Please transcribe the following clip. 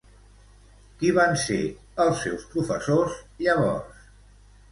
Qui van ser els seus professors llavors?